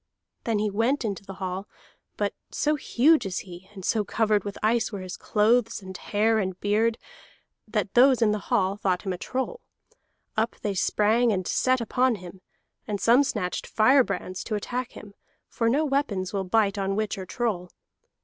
Then he went into the hall; but so huge is he, and so covered with ice were his clothes and hair and beard, that those in the hall thought him a troll. Up they sprang and set upon him, and some snatched firebrands to attack him, for no weapons will bite on witch or troll.